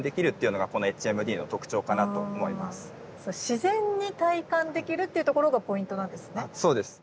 自然に体感できるっていうところがポイントなんですね。